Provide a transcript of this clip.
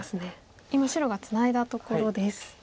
今白がツナいだところです。